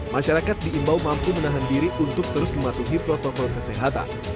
masyarakat diimbau mampu menahan diri untuk terus mematuhi protokol kesehatan